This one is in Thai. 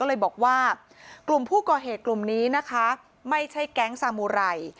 ก็เลยบอกว่ากลุ่มผู้ก่อเหตุกลุ่มนี้นะคะไม่ใช่แก๊งสามูไร